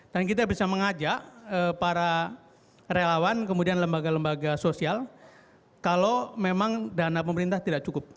dan kita bisa mengajak para relawan kemudian lembaga lembaga sosial kalau memang dana pemerintah tidak cukup